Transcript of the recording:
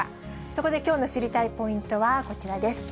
そこできょうの知りたいポイントはこちらです。